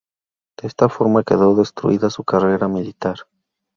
De esta forma quedó destruida su carrera militar.